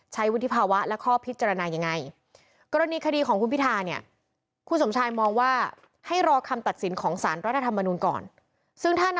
ใช้วิธีภาวะและข้อพิจารณาอย่างไร